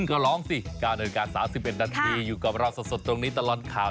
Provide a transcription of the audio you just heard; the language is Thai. ก็ร้องสิ๙นาฬิกา๓๑นาทีอยู่กับเราสดตรงนี้ตลอดข่าว